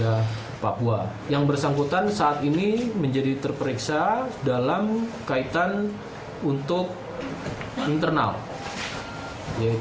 adalah hal yang sangat penting untuk memperbaiki keadaan pampung dan jawa barat